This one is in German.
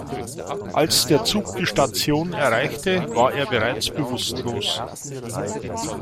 Als der Zug die Station erreichte war er bereits bewusstlos.